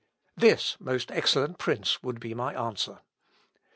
"This, most excellent prince, would be my answer.